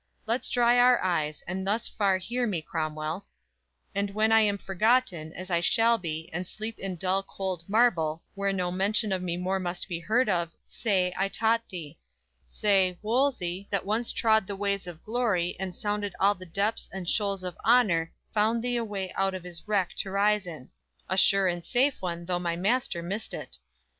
Let's dry our eyes; and thus far hear me, Cromwell; And when I am forgotten, as I shall be And sleep in dull cold marble, where no mention Of me more must be heard of, say, I taught thee; Say, Wolsey, that once trod the ways of glory, And sounded all the depths and shoals of honor Found thee a way out of his wreck to rise in; A sure and safe one, though thy master missed it!